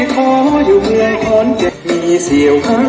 ขอห้องแก่งแก่งบุรินแด่กินเสียงร้อน